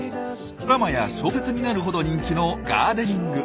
ドラマや小説になるほど人気のガーデニング。